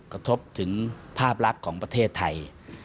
กระทบถึงภาพลักษณ์ของประเทศไทย